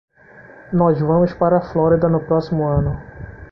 Nós vamos para a Flórida no próximo ano.